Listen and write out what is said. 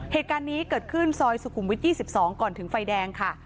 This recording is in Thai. เหตุการณ์นี้เกิดขึ้นซอยสุขุมวิท๒๒ก่อนถึงไฟแดงค่ะ